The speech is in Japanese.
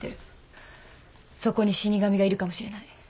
そこに死神がいるかもしれない。